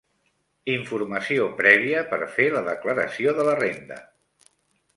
Informació prèvia per fer la declaració de la renda.